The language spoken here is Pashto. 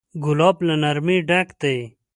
ګلاب له نرمۍ ډک دی.